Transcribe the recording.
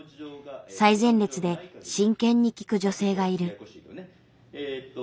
最前列で真剣に聞く女性がいる。